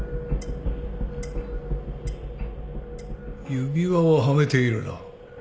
指輪をはめているな。